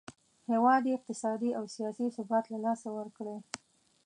هیواد یې اقتصادي او سیاسي ثبات له لاسه ورکړی.